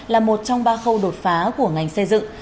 là một trong ba khâu đột phá của ngành xây dựng